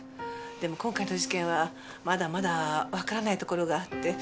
でも今回の事件はまだまだわからないところがあって。